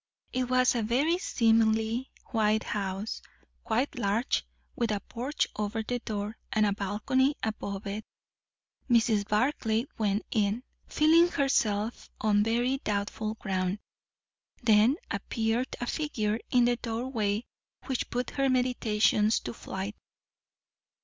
It was a very seemly white house, quite large, with a porch over the door and a balcony above it. Mrs. Barclay went in, feeling herself on very doubtful ground; then appeared a figure in the doorway which put her meditations to flight.